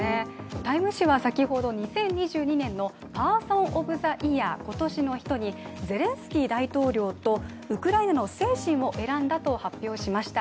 「タイム」誌は先ほど、２０２２年のパーソン・オブ・ザ・イヤー＝今年の人にゼレンスキー大統領とウクライナの精神を選んだと発表しましたて。